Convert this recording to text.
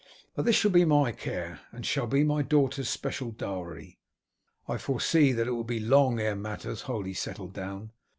But this shall be my care, and shall be my daughter's special dowry. I foresee that it will be long ere matters wholly settle down.